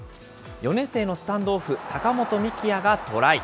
４年生のスタンドオフ、高本幹也がトライ。